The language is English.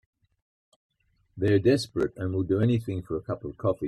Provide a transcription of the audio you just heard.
They're desperate and will do anything for a cup of coffee.